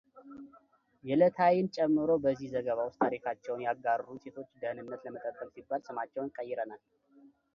የለታይን ጨምሮ በዚህ ዘገባ ውስጥ ታሪካቸውን ያጋሩን ሴቶች ደኅንነት ለመጠበቅ ሲባል ስማቸውን ቀይረናል።